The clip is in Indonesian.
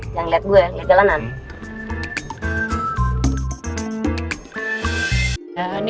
jangan lihat gue lihat jalanan